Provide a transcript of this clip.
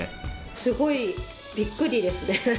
すごい、びっくりですね。